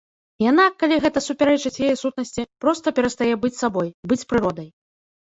Яна, калі гэта супярэчыць яе сутнасці, проста перастае быць сабой, быць прыродай.